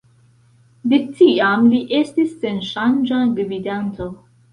De tiam li estis senŝanĝa gvidanto.